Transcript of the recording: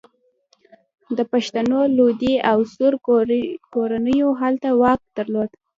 د پښتنو لودي او سور کورنیو هلته واک درلود.